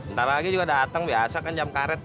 ntar lagi juga datang biasa kan jam karet